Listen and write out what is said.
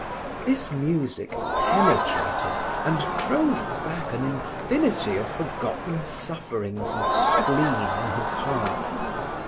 This music penetrated and drove back an infinity of forgotten sufferings and spleen in his heart.